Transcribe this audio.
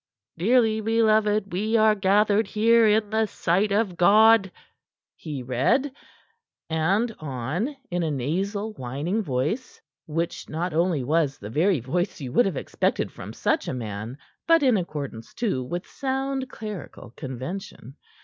"Dearly beloved, we are gathered here in the sight of God," he read, and on in a nasal, whining voice, which not only was the very voice you would have expected from such a man, but in accordance, too, with sound clerical convention.